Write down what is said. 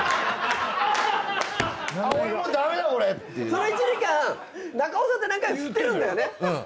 その１時間「中尾さん」って何回も言ってるんだよね。